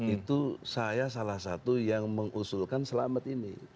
itu saya salah satu yang mengusulkan selamat ini